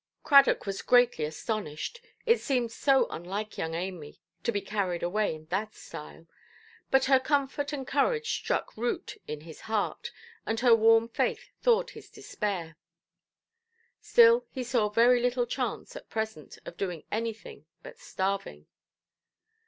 Cradock was greatly astonished: it seemed so unlike young Amy to be carried away in that style. But her comfort and courage struck root in his heart, and her warm faith thawed his despair. Still he saw very little chance, at present, of doing anything but starving.